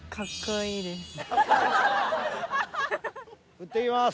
振っていきます。